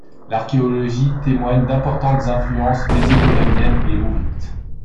L’archéologie témoigne d'importantes influences mésopotamiennes et hourrites.